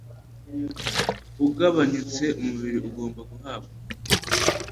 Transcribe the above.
ugabanyutse, umubiri ugomba guhabwa